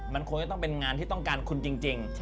มันคงจะต้องเป็นงานที่ต้องการคุณจริง